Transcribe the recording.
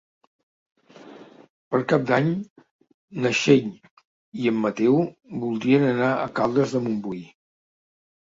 Per Cap d'Any na Txell i en Mateu voldrien anar a Caldes de Montbui.